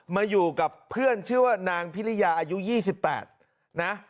มาอยู่กับเพื่อนชื่อว่านางพิริยาอายุ๒๘นะ